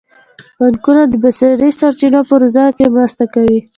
بانکونه د بشري سرچینو په روزنه کې مرسته کوي.